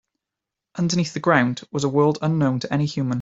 Underneath the ground was a world unknown to any human.